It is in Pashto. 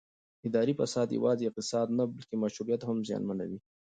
اداري فساد یوازې اقتصاد نه بلکې مشروعیت هم زیانمنوي